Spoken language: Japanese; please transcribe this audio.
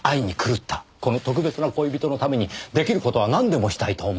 この特別な恋人のために出来る事はなんでもしたいと思った。